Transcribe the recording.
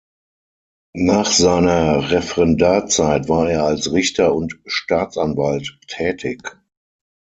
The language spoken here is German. Nach seiner Referendarzeit war er als Richter und Staatsanwalt tätig.